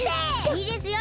いいですよ